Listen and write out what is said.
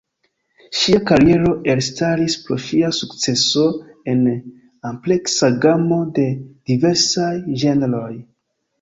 Ŝia kariero elstaris pro ŝia sukceso en ampleksa gamo de diversaj ĝenroj.